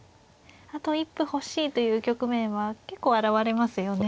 あと一歩欲しいという局面は結構現れますよね。